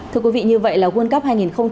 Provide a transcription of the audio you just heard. thưa quý vị như vậy là world cup hai nghìn hai mươi